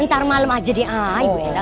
ntar malem aja deh ayo